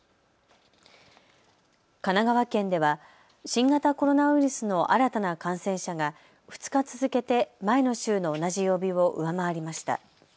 神奈川県では新型コロナウイルスの新たな感染者が２日続けて前の週の同じ曜日を上回りました。